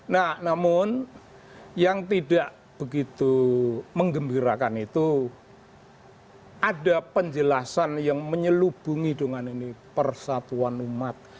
nah namun yang tidak begitu mengembirakan itu ada penjelasan yang menyelubungi dengan ini persatuan umat